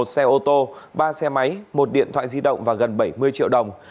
một xe ô tô ba xe máy một điện thoại di động và gần bảy mươi triệu đồng